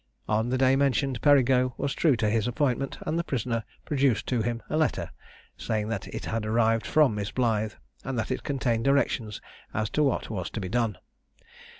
On the day mentioned, Perigo was true to his appointment, and the prisoner produced to him a letter, saying that it had arrived from Miss Blythe, and that it contained directions as to what was to be done.